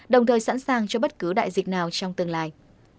đồng thời sẵn sàng cho bất cứ đại dịch nào trong tương lai